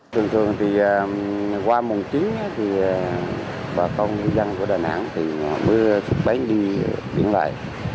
thường thường thì qua mùng chín thì bà con ngư dân của đà nẵng thì bước xuất bến đi biển lại